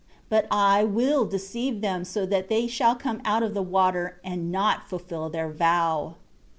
3 But I will deceive them so that they shall come out of the water, and not fulfil their vow."